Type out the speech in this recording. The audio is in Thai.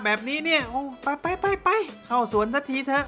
แบบนี้เนี่ยโอ้ไปไปเข้าสวนสักทีเถอะ